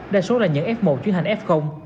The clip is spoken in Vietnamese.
đa số là nhận f một chuyển hành f